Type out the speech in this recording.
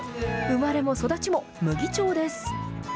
生まれも育ちも牟岐町です。